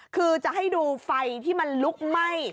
คือจะให้ดูไฟที่มันลุกไหม้